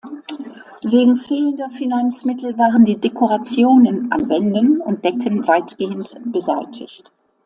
Wegen fehlender Finanzmittel waren die Dekorationen an Wänden und Decken weitgehend beseitigt.